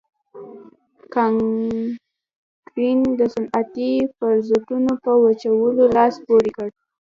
کانکرین د صنعتي ظرفیتونو په وچولو لاس پورې کړ.